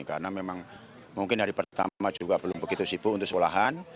karena memang mungkin hari pertama juga belum begitu sibuk untuk sekolahan